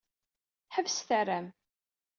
Ḥebset arram.